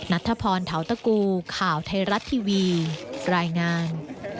นัทธพรเทาตะกูข่าวไทยรัฐทีวีรายงาน